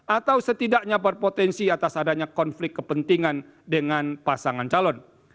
atau setidaknya berpotensi atas adanya konflik kepentingan dengan pasangan calon